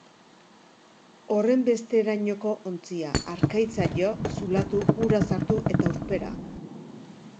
Horrenbesterainoko ontzia, harkaitza jo, zulatu, ura sartu eta urpera.